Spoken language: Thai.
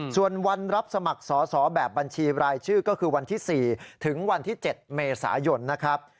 ส่วนวันรับสมัครสอสอแบบบัญชีรายชื่อก็คือวันที่๔ถึงวันที่๗เมษายนนะครับ